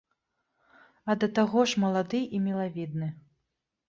А да таго ж малады і мілавідны.